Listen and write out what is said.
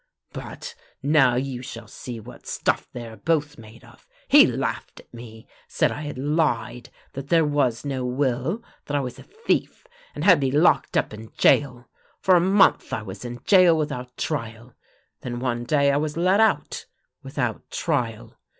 But — now you shall see what stufY they are both made of! He laughed at me. Said I had lied; that there was no will, that I was a thief, and had me locked up in gaol. For a month I was in gaol without trial. Then one day I was let out — without trial.